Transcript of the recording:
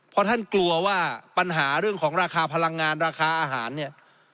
เพราะท่านกลัวว่าปัญหาเรื่องของราคาพลังงานราคาอาหารเนี่ย